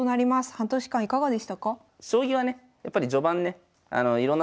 半年間いかがでしたか？